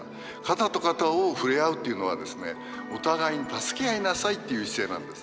肩と肩を触れ合うっていうのはですねお互いに助け合いなさいっていう姿勢なんです。